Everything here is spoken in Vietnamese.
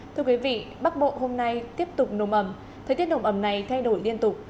thưa quý vị bắc bộ hôm nay tiếp tục nồm ẩm thời tiết nồm ẩm này thay đổi liên tục